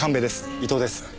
伊藤です。